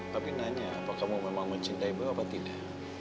papi nanya apa kamu memang mencintai boy apa tidak